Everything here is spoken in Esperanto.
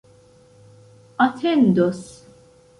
atendos